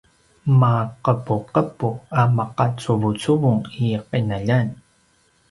maqepuqepu a maqacuvucuvung i qinaljan